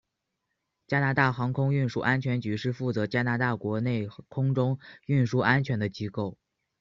加拿大航空运输安全局是负责加拿大国内空中运输安全的机构。